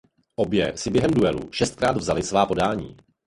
Obě si během duelu šestkrát vzaly svá podání.